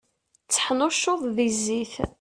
Tteḥnuccuḍ di zzit.